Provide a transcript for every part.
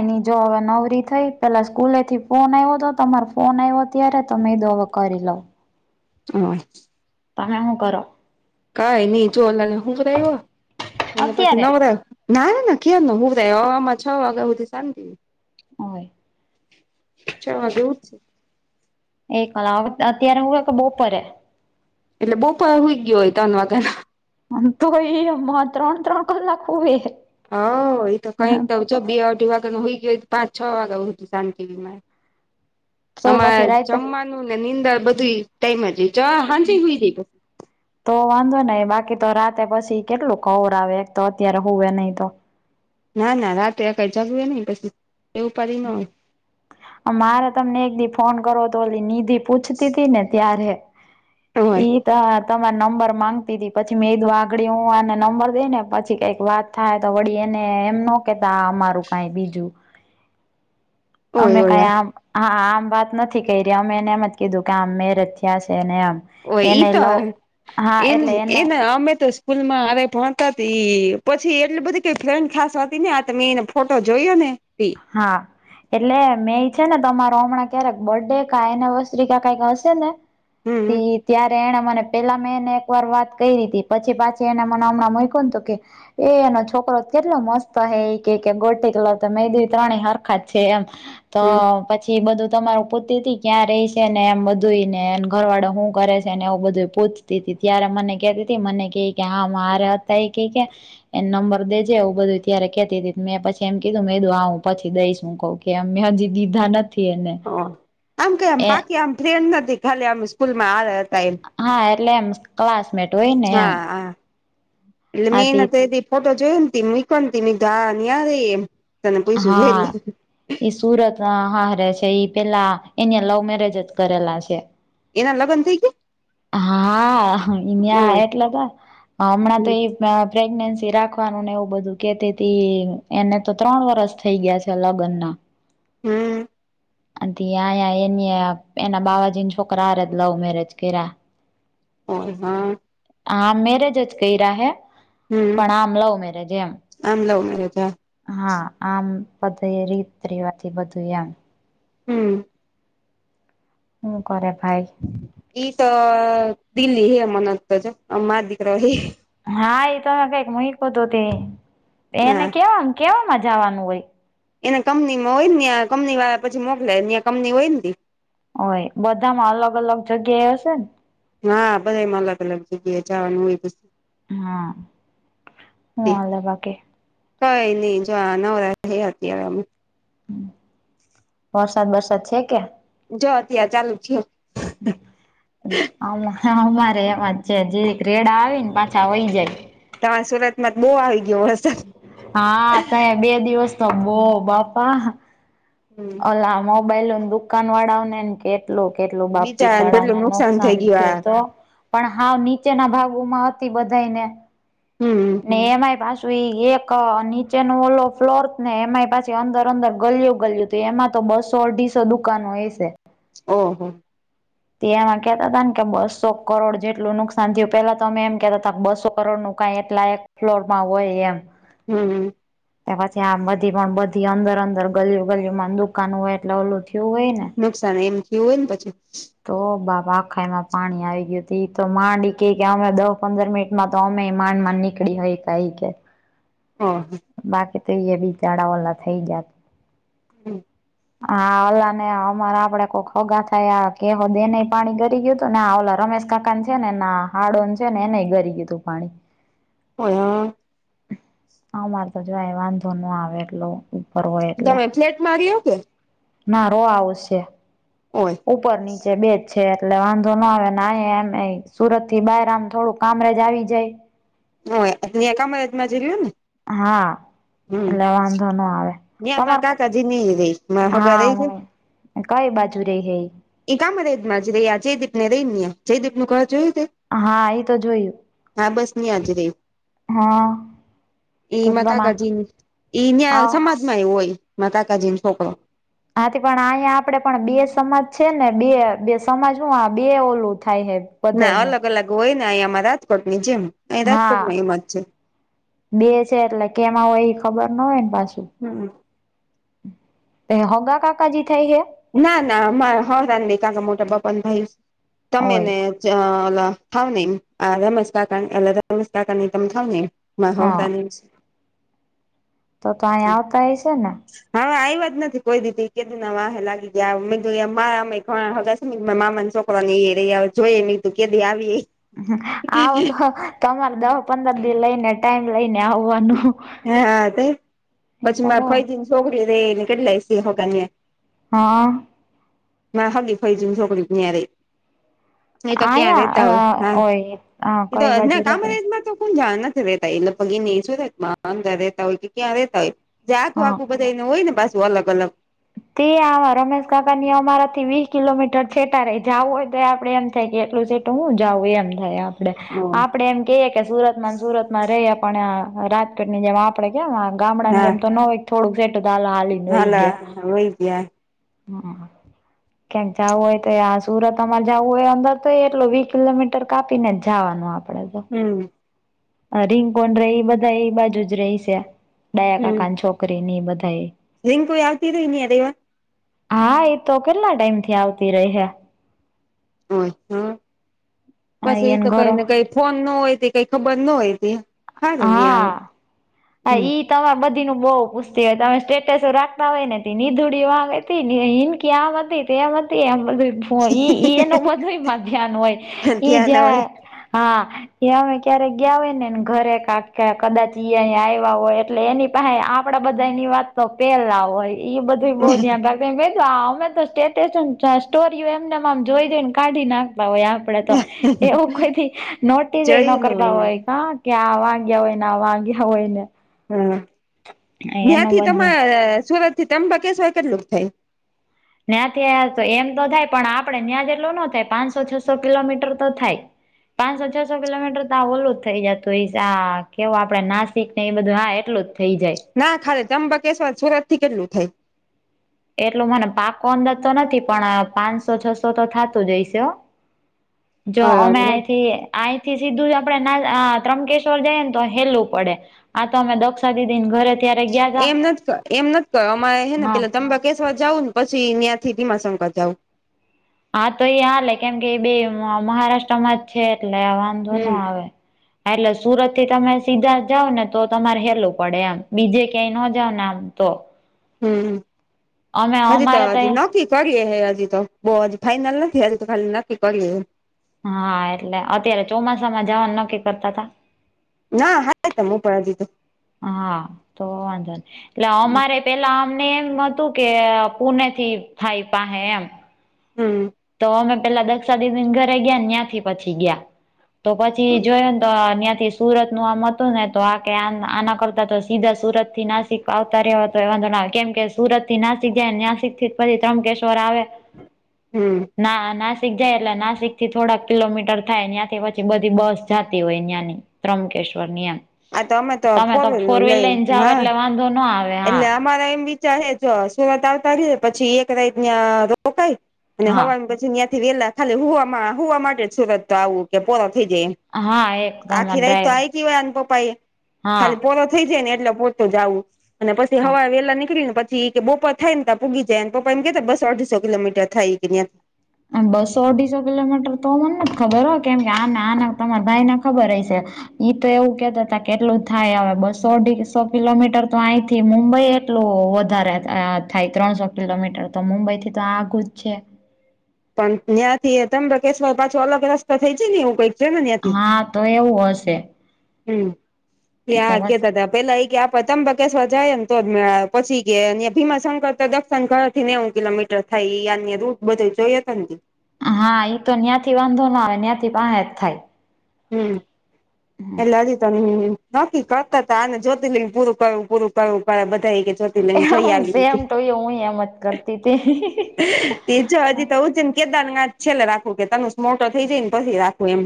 એની જો હવે નવરી થઈ પેલા સ્કૂલે થી ફોન આયવો તો તમારો ફોન આયવો ત્યારે તોમે દવા- કરી લઉ- [inaudible] તમે હું કરો કઈ ની જો ઓલાને હુંવરાયવો અને પછી અત્યારે નવરા- ના ના ના ક્યારનો હુંવરાયવો અવે આમા છ વાગા હૂદી શાંતિ- હોય ચાર વાગે ઉટશે એ કલાવત અત્યારે હુંએ ક બપોરે- એટલે બપોરે હુઇ ગીયો એ તન વાગે નો- આમ તોઈ એ ત્રણ ત્રણ કલાક હુવે હે- હ એ તો કઈક તો છ બે અઢી વાગા નો હુંઈ ગીયો પાંચ છ વાગા હુંદિ શાંતિ વીમાં- તોય અમારે પછી રાઈતે જમવાનું ને નીંદર બધુંય ટાઈમે જ જય હાંજેય હુઇ જાય - તો વાંધો નય બાકી તો રાતે પછી કેટલું કવરાવે એક તો અત્યારે હુંવે નઇ તો- ના ના રાતે આખઈ જગવે નઇ પછી ટેવ પાડી ન- મારે તમને એક દી ફોન કરવો તો ઓલી નિધિ પૂછતી તી ને ત્યારે- હોય ઈ તહત- તમારે નંબર માંગતી તી પછી મેં એદું આકડી હું આને નંબર દઈ ને પછી કંઈક વાત- થાય તો વળી એને એમ નો કેતા અમારું કાઈ બીજું- ઓય અમે ઓય ઓય કઈ આમ હા આમ વાત નથી કયરિ અમે એને એમજ કીધું કે આમ મેરેજ થયા છે ને આમ- ઓ ઇ ત એન એને એન અમે ત સ [unintelligible] સ્કૂલ માં આવે ભણતા તી ઇ પછી એટલી બધી કઈ ફ્રેન્ડ ખાસ હતી ની આ ત મે એને ફોટો જોયો ને- તી હા- એટલે મેંય છે ને તમારો હમણાં ક્યારેક બરડે કા એનિવર્સરી કા કઈક હશે ને- તિ હમ [unintelligible] ત્યારે એણે મને પેલા મેં એને એક વાર વાત કયરી તી પછી પાછી એને મને હમણાં મૂકો ને ત કે- એ એનો છોકરો ત કેટલો મસ્ત હે ઇ કે કે ગોટી ક લવ ત મેંય દી- ત્રણે હરખાચ છે એમ હમ તો- પછી બધું તમારું પુતી તી ક્યાં રેય સે ને એમ બધુંય ને એન ઘર વાળો હું કરે છે ને એવું બધુંય પૂછ- તી તી ત્યારે મને કે તી હતી મને કેકે હા મારે હતા એ કે ગ્યા એને નંબર દેજે એવું બધું ત્યારે કેતી હતી મેં પછી એમ કીધું મેં આઉ. પછી દઈશ હું કહું કે અમે હજી દીધા નથ હ અ આમ કે આમ બાકી આમ ફ્રેન્ડ નાતી ખાલી આમસ- સ્કૂલમાં આર હતા એમ હા એટલે એમ ક્લાસમેટ હોય ને એમ હા આ- એટલે હા મેં તે એના તો એદિ ફોટો જોયોન તી મુયકોંતી મીધા નીયારી એમ. તને પુયસું લઈ લે ઈ સુરત અ હાહરે છે ઈ પેલા એની લવ મેરેજ જ કરેલા છે. એના લગન થઈ ગ્યા? હા ન્યાં ઓય એટલે તો હમણાં ત હમ એ અ પ્રેગ્નેન્સી રાખવાનું ને એવું બધું કેતી તી ઇ એને તો ત્રણ વરસ થઈ ગયા છે લગનના હમ અતિ આયા એન્યે આ એના બાવાજીને છોકરા હારે જ લવ મેરેજ કયરા ઓ હા આમ મેરેજ જ કયરા હે હમ પણ આમ લવ મેરેજ એમ આમ લવ મેરેજ હા હા આમ પધ એ રીત રિવાથી બધું એમ હમ હું કરે ભાઈ? એ તો દિલ્લી હે અમન તજો અ મા દીકરા હિ હા એ તમે કઈક મહીકો તો તે એને હા કેવા કેવામાં જવાનું હોય. એને કંપની માં હોય ને કંપની વાળા પછી મોકલે કંપની હોય ની હોય બધામાં અલગ અલગ જગ્યા હશે ન હા બધાએ માં અલગ અલગ જગ્યાએ જવાનું હોય. હા હું હાલે બાકી? કઈ નહી જો નવરા થયા અત્યારે અમે. વરસાદ બરસાદ છે કે? જો અત્યારે ચાલુ થયો. [unintelligible] અમારે એવા જ છે જે રેડ આવી ન પાછા વય જાય. તમાર સુરત માં ત બહુ આવી ગયો વસ હા તય બે દિવસ તો બો બાપા. હમ્મ. લા મોબાઈલૂ ન દુકાન વાળા ઓને કેટલું કેટલું બાપ બીજા કેટલું બીચારાવને નુકસાન થઈ થયું ગયું તો. પણ હાવ નીચેના ભાગોમાં હતી બધાય ને. હમ્મ. ને એમાંય પાછું એક નીચે નો ઓલો ફ્લોર ને એમાંય પાછી અંદર અંદર ગલિયું ગલિયું. તે એમાં તો બસો અઢીસો દુકાનો હયશે ઓહ હો. તે એમાં કેતા તા ને કે બસો કરોડ જેટુંલુ નુકસાન થયું પેલા તો અમે એમ કેતા હતા બસો કરોડ નુ કઈ એટલાય એક ફ્લોર માં હોય એમ. હમ્મ હમ. કે પછી આમ બધી પણ બધી અંદર અંદર ગલી ગલીઓ માં દુકાન હોય એટલે ઓલું થયું હોય ને નુકસાન એમ કેવું હોય ને પછી તો બાપા આખામાં પાણી આવી ગયું તું ઈ તો માંડ કે કે અમે દ પંદર મિનિટ માં તો અમે માંડ માં નીકડી હય કા ઈ કે હ બાકી તો ઈએ બીચાડા ઓલા થઈ ગ્યા. હમ હા ઓલાને આ અમારા આપડે કોક હગા થાય આ કેવ દે નેએ પાણી ગરી ગયું તું ને આ ઓલા રમેશ કાકાને છે ને એના હાડો ન છે ને એને એ ગરી ગયું તું પાણી. ઓય હહ. અમારે તો જોય વાંધો ન આવે એટલો ઉપર હોય એટલે તમે ફ્લેટમાં રહ્યો કે ના રો હાઉસ છે. હોય. ઉપર નીચે બેજ છે એટલે વાંધો ના આવે ને આયા એમ નય સુરત થી બાર આમ થોડું કામરેજ આવી જાય. હોએ અહીંયા કામરાજમાં જ રિયુ ને. હા હમ એટલે વાંધો નો આવે. ત્યાં માર તમાર કાકાજી ને ઈ રેહ. માર હગા રે હા હે? હું કઈ બાજુ રહી હે ઈ કામરેજમાં રે આ જયદીપ ને રે ને ઇયા જયદીપનું ઘર જોયું તે? હા ઈ તો જોયું. હા બસ ન્યા જ રે. હા ઈ તો માર તમે કાકાજી ન ઈ ન્યા. આવો [unintelligible] હોય માર કાકાજીન છોકરો. હા તે પણ આહીંયા આપડે પણ બે સમાજ છે ને બે બે સમાજ હું આ બે ઓલું થાય હે. ના બધાયનું અલગ અલગ હોય ને અહીંયા અમાર રાજકોટની જેમ અહીં હા રાજકોટમાં એમ જ છે. બે છે એટલે કેમાં હોય ઈ ખબર ના હોય ન પાછી. હમ એ હગા કાકાજી થાય હે? ના ના અમાર હગા નહિ કાકા મોટા બાપાના ભઈ સે તમે ને હોય ચ ઓલ થાવ ને એમ આ રમેશકાકા અ રમેશકાકા ને ઈ તમે થાવ ને એમ. માર હા હહરા ને ઈ છે. તો તો અહીંયા આવતા હઈસે ને? હહ આઈવા જ નથી કોઈદી તે ઈ કેદુના વાહે લાગી ગયા મે કીધું અહીંયા મારામાં એ ઘણા હગા સ માર મામાનો સોકરા ને ઈ રે હવે જોઈએ નહી તું કેદી આવી ઈ. આવો તો તમારે દ પંદર દિ લઈને ટાઈમ લઈને આવું. હા તઈ એ પછી તો માર ફઈજીની સોકરી રે ને કેટલાય સે હગા ન્યા. હહ માર હગી ફઈજીની સોકરી જ ન્યા રે. એતો ક્યાં રેતા હોય હા. અહીંયા ઓય એતો કઈ બાજુ ના રેતા કામરેજમાં તો કોન જાણે નથી રેતા ઈ લગભગ એની ઈ સુરતમાં અંદર રેતા હોય કે ક્યાં રેતા હોય જો આખું હા આખું બધ ધેયને હોય ને પાસું અલગ અલગ. તે આવા રમેશકાકાની ઈ અમારાથી વીહ કિલોમીટર છેટા રે જાવું હોય તો આપડે એમ થાય કે એટલું સે ટુ હું જાઉં એમ થાય આપ ડે આપડે એમ કહીએ કે સુરતમાં ને સુરતમાં રહીએ પણ રાજકોટની જેમ આપ આપડે કેમ આમ ગામડાની હા જેમ તો ન હોય કે થોડુંક સેટુ તો હાલો હાલીને વહી ગયા. વહી ગયાં. હમ ક્યાંક જાવું હોય તોય આ સુરત અમારે જાવું હોય અંદર તોય એટલો વી કિલોમીટર. કાપીને જ જાવાનું આપડે. હમ આ રિંગબોન રે એ બધા એ બાજુ જ રહી છે ડાયાકાકાનો છોક કરીને ઈ બધાંએ બેન કોઈ આવતી રહી અહીંયા રેવા? હા એતો કેટલા ટાઈમથી આવતી રે હે. ઓય હહ પસી ઈ એને તો કઈ ઘરો ને કઈ ફોન ન હોય તે કઈ ખબર ન હોય તે. હારું ન્યા હા. આવે હા હમ ઇ તમારા બધીનું બોવ પૂછતી હોય, તમે સ્ટેટસો રાખતા હોય ને નિધુડી આમ હતી હિનકી આમ અતી. તેમથી એમ બધું ફોન ઇ ઇ એનું બધુંયમાં ધ્યાન હોય. ઇ ત્યાં ના હોય જ્યાં હા, એ અમે ક્યારેક ગયા હોયને ઘરે પાક્કા, કદાચ ઇ અહીંયા આઇવા હોય એટલે એની પાહે આપડા બધાયની વાત તો પેલા હોય. ઇ બધ એ બહુ ધ્યાન રાખ એટલે મેં કીધું આ અમે તો સ્ટેટેસો ને સ્ટોરીઓ એમને એમ આમ જોઈને જોઈને કાઢી નાખતા હોય આ આપણે તો એવું કોઈદી નોટીસ એ ન કરતા હોય કાકે આ વા ગયા હોય નાવા ગયા હોય ને. હહ એનું ન્યાથી બધે તમાર સુરતથી ત્રંબકેશ્વર કેટલુંક થાય? ન્યાથી અહીંયા તો એમ તો થાય પણ આપડે ન્યા જેટલું ન થાય પાંચસો છસો કિલોમીટર તો થાય. પાંચસો છસો કિલોમીટર તો આ ઓલું જ થઈ જાતું હસે આ કેવો આપડે નાસ્ ટિકને એ બધું હા એટલું જ થઈ જાય. ના ખાલી ત્રંબકેશ્વર સુરતથી કેટલું થાય? એટલું મને પાકો અંદાજ તો નથી, પણ પાંચસો છસો તો થાતુ જ હશે હો. જો અમેં થાય આઈથી આહીંથી સીધું જ આપણે નાર અ ત્રંકેશ્વર જઈએને તો હેલું પડે. આ તો અમે દક્ષાદીદીન ઘરે ત્યારે ગયા તા એમ નથ ક, એમ નથી ક અમારે હેને હા પેલા તંબાક કેસવા જાવુ ન પછી ન્યાથી ધીમાશંકર જાઉં. હા, તો એ હાલે કેમકે એ બે મ-મહારાષ્ટ્રમાં જ છે એટલે આ વાંધો ના હમ આવે. એટલે સુરતથી તમે સીધા જાઓ ને તો તમારે હેલું પડે એમ, બીજે ક્યાંય ન જાવને આમ તો. હમ હમ. અમે હજી તો અમારે હજી નથી. કરીએ હે હજી તો. બઉ હજી ફાઈનલ નથી, હજી તો ખાલી નક્કી કરીએ હે. હા, એટલે અત્યારે ચોમાસામાં જવાનું નક્કી કરતાતા? ના હા [unintelligible] લીધું. હા, તો વાંધો નહીં. એટલે હમ અમારે પેલા આમને એમ હતું કે પુનેથી થાય પાહે એમ. હમ. તો અમે પેલા દક્ષા દીદીન ઘરે ગયા યાંથી પછી ગયા. તો પછી જોયુંન તો ન્યાથી સુરતનું આમ અતું ને તો આ કે આના કરતાં તો સીધા સુરતથી નાસિક આવતા રહ્યા હોત તો તો એ વાંધો ના આવે, કેમ કે સુરતથી નાસિક જાય નાસિકથી પછી ત્રમકેશ્વર આવે હમ. ના-નાસિક જાય એટલે નાસિકથી થોડાક કિલોમીટર થાય ન્યાથી પછી બધી બસ જાતી હોય ન્યાની. ત્રમકેશ્વરની એમ. આ તો અમે તમે તો વ્હીલ ફોર નું લઈ વ્હીલરને જાઓ હા એટલે વાંધો ન આવ એટલે અમારા એમ વિચારે હે, જો સુરત આવતા રિયા પછી એક રાત નયાં રોકાય અને હા હવારમ પછી ન્યા થી વેલા ખાલી હુંવામાં હુંવા માટે જ સુરત તો આવું કે પોરો થઈ જઈએ. હા એક તમાર આખી રાઈ તો ડ્રાઈવ આયકી હોય આન પપ્પાએ, હા ખાલી પોલો થઈ જાય ને એટલે પોતો જાવું અને પછી હા હવાર વહેલા નીકરીન પછી કે બપોર થાય ને તા પોંગી જાય એન પપા એમ કેતા બસો અઢીસો કિલોમીટર થાય કે નયાં. આમ બસો અઢીસો કિલોમીટર તો મન નથી ખબર હો, કેમ આને આના તમાર ભાઈને ખબર હશે. ઈ તો એવું કેતાતા કે એટલું થાય હવે બસો અઢીસો કિલોમીટર તો અહીથી મુંબઈ કેટલું વધારે થાય, ત્રણસો કિલોમીટર તો મુંબઈથી તો આઘું જ છે. પણ નંયાંથી તો ત્રંબકેશ્વર પાછો અલગ રસ્તો થઈ જાય ને એવું કઈક જરૂરિયાત હા તો એવું હશે. હમ એ તો આ બસ કહેતાતા. પેલા એ કે આ કે તબકેશ્વર જાએ ને તો જ મેળ આવે, પછી કે ભીમા શંકર તો દર્શન ઘરથી નેવું કિલોમીટર થાય. એ રૂટ બધું જોયોતો ને હા, એ તો નયાંથી વાંધો ના આવે નયાંથી પાહે જ થાય. હમ. એલા [unintelligible] નક્કી કરતાતા, ને જ્યોતિર્લિંગ પૂરું કર્યું પૂરું કરવું કરે બધા એ કે છે એમ સેમ તું યુ એ હું એમ જ કરતી હતી. ત્રીજો હજી તો છે ને કેદાર છેલ્લે રાખવું કે તનુસ મોટો થઈ જાય ને પછી રાખવું એમ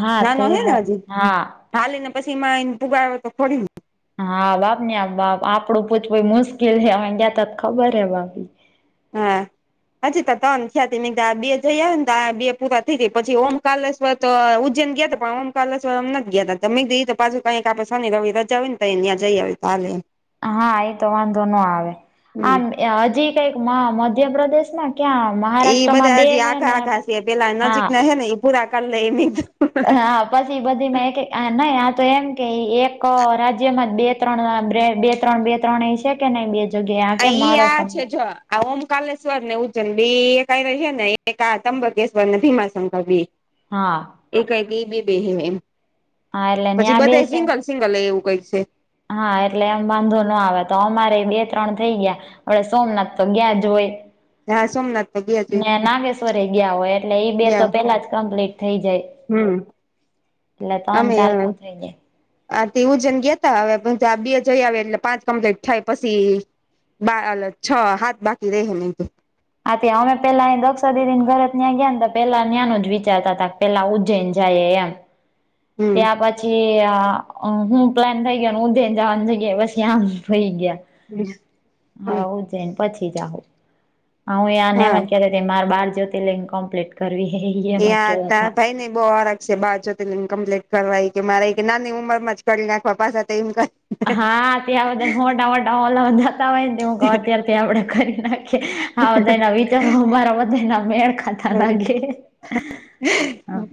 હા નાનો તે હેને બા હજી. હા. હાલી ને પછી માંડ પુગાર્યો તો પડીન. હા બાપને આપ બાપ, આપડું પોચવું મુશ્કેલ હે, યા ગ્યાતા ખબર હે બાપડી. હા. હજી તો તન થયાક આ બે થયા હોય ને તાં બે પૂરા થઈ જાય પછી ઓમકાલેશ્વર તો ઉજ્જૈન ગયાા હતા પણ ઓમ કસ એમ નથી જ ગયા તમે તો પાછું કઈક આપે શનિ રવિ રા હોય ને તો ત્યાં જઈ આવી. તાલે. હા એ તો વાંધો ન આવે હમ આમ હજી કઈક માં મધ્યપ્રદેશ માં ક્યામાં. એ બધા હજી આખા આખા છે પેલા નજીક હા ના હે ને એ પૂરા કરી લે એ. હા. પછી બધી માં એક નહી આ તો એમ કે એક રાજ્યમાં જ બે ત્રણ બે ત્રણ બે ત્રણેય છે કે નહી બે જગ્યાએ આ કે ઈ મારા આ સમે. છે જો આ ઓમ કલેશ્વર ને ઉજ્જન બ બે ક ર છે ને એક આ ત્રંબકેશ્વર ને ભીમાશંકર બી. હા. એ કક એ બે બે એમ હા એટલે પછી ત્યાં બે બધા છે સિંગલ સિંગલ એવું કઈક છે. હા એટલે એમ બાંધો ના આવે તો અમારે બે ત્રણ થઈ ગયા. આપડ સોમનાથ તો ગયા જ હોય. હા સોમનાથ તો ગયા છે ને નાગેશ્વર ગયા હોય એટલે ઈ બે તો ગયા પેલા જ કમ્પ્લીટ થઈ જાય. હમ એટલે તણ અમે ચાલતો થઇ જાય. આ તેવુંજન ગેતા હવે પ આ બે જઈ આવે એટલે પાંચ કમ્પ્લીટ થાય પછી બા અલ છ હાથ બાકી રહે નહી તો. આ ત્યાં અમે પેલા અ દક્ષા દીદી ને ઘર જ ત્યાં ગયા ને તો પેલા ના્નો જ વિચારતા હતાા પેલા ઉજૈન જઈએ એમ. હમ ત્યાં બાદ. પછી હું પ્લાન થઈ ગયો ઉધેન જવાની જગ્યા પછી આમ થઈ ગયા. હમ્મ. હા હું જઈને પછી જાો હા હુંમત માર બાર સિલિંગ કમ્પ્લીટ કરવી હ એ મત કે. બહ અરગ છે બાજો કમ્પ્લીટ કરવા કે મારા નાની ઉંમર જ કરી નાખવા પાછા એમ. હા ત્યાં બધા મોટા મોટા ઓલાંધતા હોય ને હું અત્યારે ત્યાં આપડે કરી નાખી. આધ ન વિચાર ઉ મારા મ ના મેળ ખતા લાગે. હા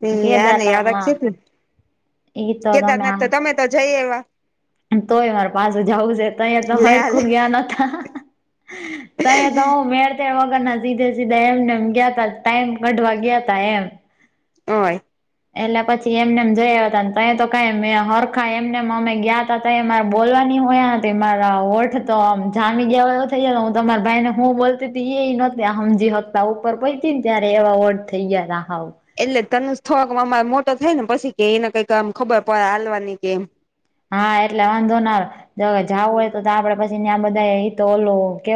તે આ નહી અરગ કેદારનામાં છે ઈ તો અમ્યા. સજાય એવા. તોય મારે પાશું જવું છે તો અંયા તો લે લે મારખું ગયા હતા. [unintelligible] વગર સીધે સીધે એમનેમ ગયા ત ટાઈમ કઢવા ગયા તા એમ. હ. એટલે પછી એમને એમ જોયાયા હતા ત તો ક હરખા એમને અમે ગયા મારે બોલવાની હોય તો મારા ઓઠ તો આમ જામી ગયા એવો થઈ જ હું તમારા ભાઈ ને હું બોલ એ ન સમજીતા ઉપર પ ને ત્યારે એવા વોર્ડ થઈ ગયા એટલે તનુજ થોક અ મોટો થાય ને પી કે એને કઈક આમ ખબર પડે હાલવાની કેમ. હા એટલે વાંધો ના જો જવું હોય તો આપડે પછી ને આ બધા તો ઓલ કેવ.